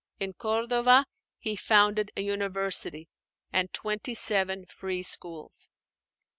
In Cordova he founded a university and twenty seven free schools.